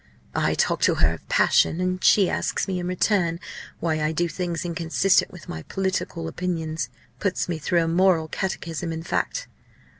"I talk to her of passion, and she asks me in return why I do things inconsistent with my political opinions! puts me through a moral catechism, in fact!